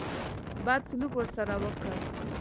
بد سلوک ورسره وکړ.